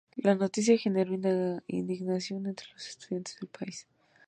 La noticia generó indignación entre los estudiantes del país.